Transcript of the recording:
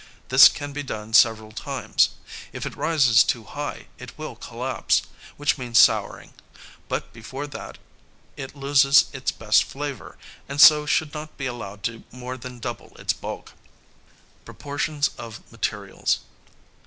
This can be done several times. If it rises too high it will collapse, which means souring, but before that it loses its best flavor, and so should not be allowed to more than double its bulk. [Sidenote: Proportions of materials.